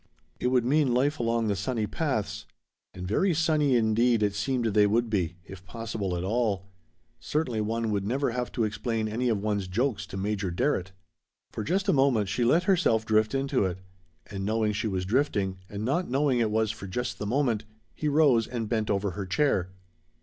It would mean life along the sunny paths. And very sunny indeed it seemed they would be if possible at all. Certainly one would never have to explain any of one's jokes to Major Darrett. For just a moment she let herself drift into it. And knowing she was drifting, and not knowing it was for just the moment, he rose and bent over her chair.